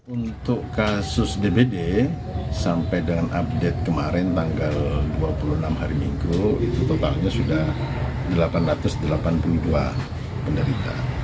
untuk kasus dbd sampai dengan update kemarin tanggal dua puluh enam hari minggu itu totalnya sudah delapan ratus delapan puluh dua penderita